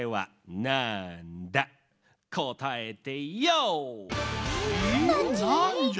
なんじゃ？